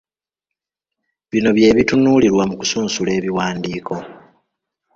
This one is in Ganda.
Bino bye bitunuulirwa mu kusunsula ebiwandiiko.